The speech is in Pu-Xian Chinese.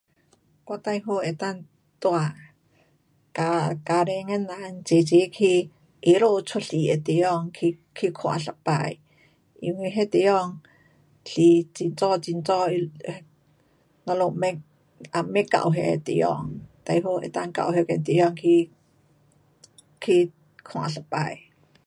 我最后能够带家，家庭的人齐齐去耶稣出世的地方去，去看一次。因为那地方是很早很早他，咱们未，啊未到那地方，最好能够到那边地方去，去看一次。